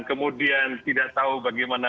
kemudian tidak tahu bagaimana